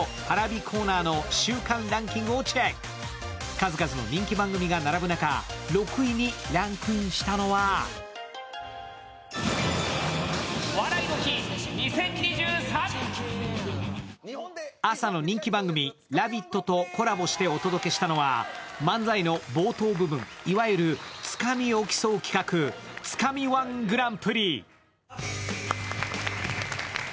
数々の人気番組が並ぶ中６位にランクインしたのは朝の人気番組「ラヴィット！」とコラボしてお届けしたのは漫才の冒頭部分、いわゆるつかみを競う企画、「つかみ−１グランプリ」。